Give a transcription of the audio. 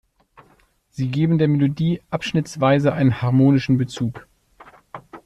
Sie geben der Melodie abschnittsweise einen harmonischen Bezug.